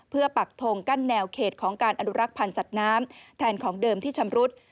เพื่อปักทงกั้นแนวเขตของการอนุรักษ์พันธ์สัตว์น้ำแทนของเดิมที่ชำรุด